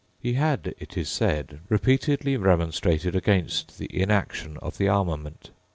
He had, it is said, repeatedly remonstrated against the inaction of the armament.